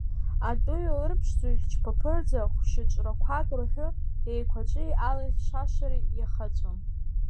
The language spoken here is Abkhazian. Атәыҩа ырԥшӡо, ихьчԥаԥырӡа, хә-шьыҵәрақәак рҳәы, еикәаҵәи, алахь шашара иахаҵәон.